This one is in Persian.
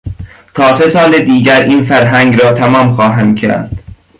تا سه سال دیگر این فرهنگ را تمام خواهم کرد.